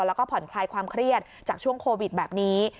แล้วก็ผ่อนคลายความเครียดจากช่วงโควิดแบบนี้